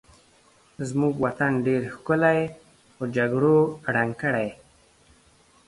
زمونږ وطن ډېر ښکلی خو جګړو ړنګ کړی